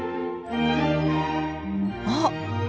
あっ！